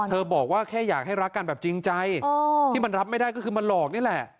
บอกว่าแค่อยากให้รักกันแบบจริงใจที่มันรับไม่ได้ก็คือมาหลอกนี่แหละ